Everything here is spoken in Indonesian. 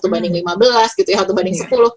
satu banding lima belas gitu ya satu banding sepuluh